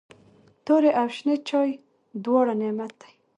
توري او شنې چايي دواړه نعمت دی.